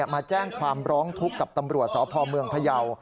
มาแจ้งความร้องทุกข์กับตำรวจสพเมืองพยาว